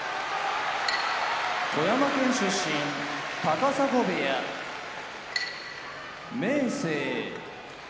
富山県出身高砂部屋明生